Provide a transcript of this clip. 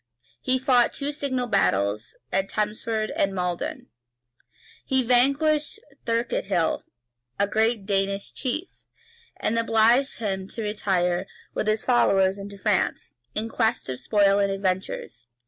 He fought two signal battles at Temsford and Maldon.[*] [* Chron. Sax. p. 10, Flor. Wigorn. p. 6.] He vanquished Thurketill, a great Danish chief, and obliged him to retire with his followers into France, in quest of spoil and adventures.